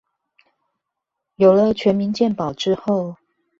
有了全民健保之後